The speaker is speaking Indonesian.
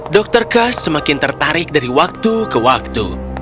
dokter kas semakin tertarik dari waktu ke waktu